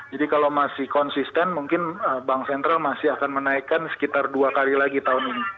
jadi kalau masih konsisten mungkin bank sentral masih akan menaikan sekitar dua kali lagi tahun ini